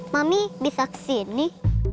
mami bisa kesini